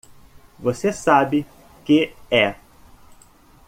Você sabe que é!